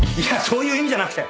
そういう意味じゃなくて。